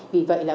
vì vậy là